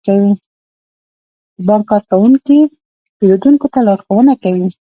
د بانک کارکونکي پیرودونکو ته لارښوونه کوي.